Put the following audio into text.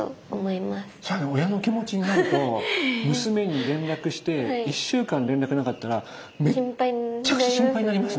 それは親の気持ちになると娘に連絡して１週間連絡なかったらめっちゃくちゃ心配になりますね。